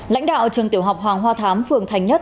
lãnh đạo trường tiểu học hoàng hoa thám phường thành nhất